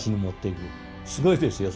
すごいですよ